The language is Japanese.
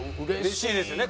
嬉しいですよね